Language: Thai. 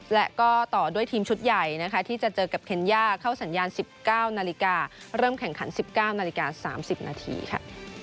และก็ต่อด้วยทีมชุดใหญ่นะคะที่จะเจอกับเคนย่าเข้าสัญญาณ๑๙นาฬิกาเริ่มแข่งขัน๑๙นาฬิกา๓๐นาทีค่ะ